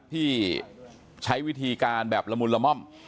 ที่ใช้วิธีการแบบละมุนละม่อม